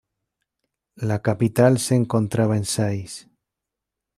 La capital se encontraba en Sais.